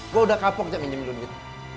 gue udah kapok je minjemin lo duit